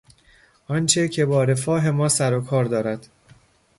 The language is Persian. آنچه که با رفاه ما سروکار دارد